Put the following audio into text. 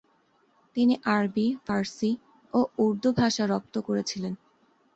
তিনি আরবি, ফারসি ও উর্দু ভাষা রপ্ত করেছিলেন।